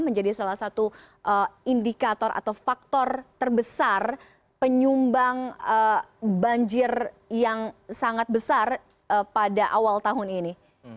mengenai bangunan yang tersebut apakah ini juga menjadi salah satu indikator atau faktor terbesar penyumbang banjir yang sangat besar pada awal tahun ini